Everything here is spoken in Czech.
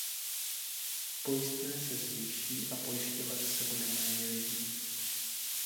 Pojistné se zvýší a pojišťovat se bude méně lidí.